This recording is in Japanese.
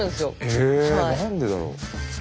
え何でだろう。